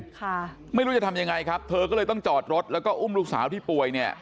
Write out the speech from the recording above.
ค่ะไม่รู้จะทำยังไงครับเธอก็เลยต้องจอดรถแล้วก็อุ้มลูกสาวที่ป่วยเนี่ย